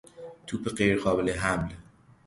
توپ غیر قابل حمل